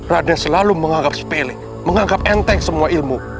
raden selalu menganggap sepele menganggap enteng semua ilmu